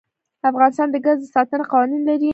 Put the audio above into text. افغانستان د ګاز د ساتنې لپاره قوانین لري.